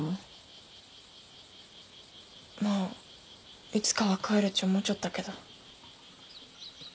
まあいつかは帰るち思ちょったけど。